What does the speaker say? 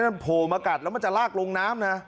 มันโผล่มากัดแล้วมันจะลากลงน้ำนะ